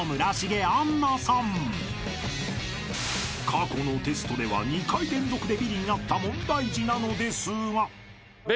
［過去のテストでは２回連続でビリになった問題児なのですが］